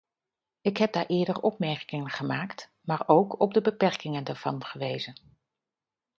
Ik heb daar eerder opmerkingen gemaakt maar ook op de beperkingen daarvan gewezen.